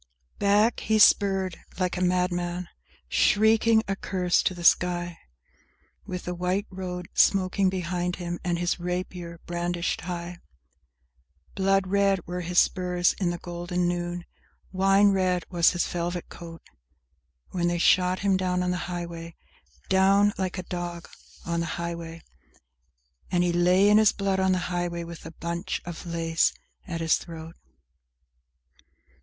IX Back, he spurred like a madman, shrieking a curse to the sky, With the white road smoking behind him and his rapier brandished high! Blood red were his spurs i' the golden noon; wine red was his velvet coat, When they shot him down on the highway, Down like a dog on the highway, And he lay in his blood on the highway, with the bunch of lace at his throat.